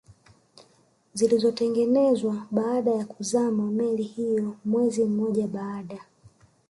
zilizotengenezwa baada ya kuzama meli hiyo mwezi mmoja baada